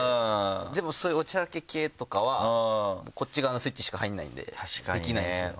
でもそういうおちゃらけ系とかはこっち側のスイッチしか入んないんでできないんですよ。